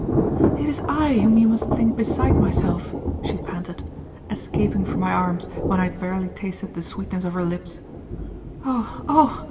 "It is I whom you must think beside myself," she panted, escaping from my arms when I had barely tasted the sweetness of her lips. "Oh! oh!